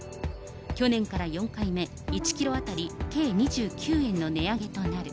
去年から４回目、１キロ当たり計２９円の値上げとなる。